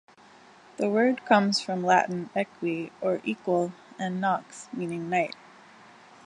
The word comes from Latin "equi" or "equal" and "nox" meaning "night".